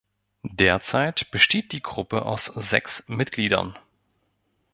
Derzeit besteht die Gruppe aus sechs Mitgliedern.